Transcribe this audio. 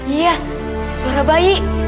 iya suara bayi